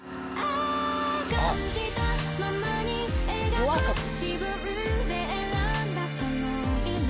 ＹＯＡＳＯＢＩ。